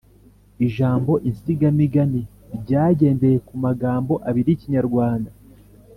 – Ijambo insigamigani ryagendeye ku magambo abiri y’Ikinyarwanda